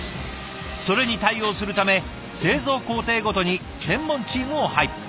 それに対応するため製造工程ごとに専門チームを配備。